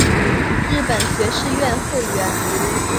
日本学士院会员。